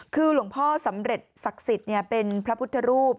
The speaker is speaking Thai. คือหลวงพ่อสำเร็จศักดิ์สิทธิ์เป็นพระพุทธรูป